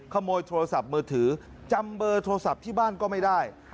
ขโมยโทรศัพท์มือถือจำเบอร์โทรศัพท์ที่บ้านก็ไม่ได้